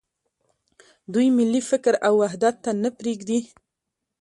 دوی ملي فکر او وحدت ته نه پرېږدي.